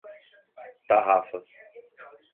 Tarrafas